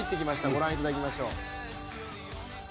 ご覧いただきましょう。